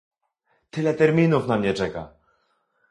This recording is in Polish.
"Tyle terminów na mnie czeka!"